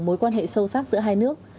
mối quan hệ sâu sắc giữa hai nước